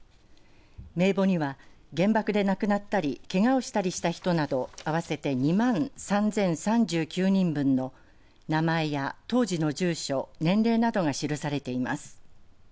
名簿には原爆で亡くなったりけがをしたりした人など合わせて２万３０３９人分の名前や当時の住所年齢などが記されています。